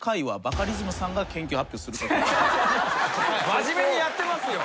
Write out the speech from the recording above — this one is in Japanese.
真面目にやってますよ。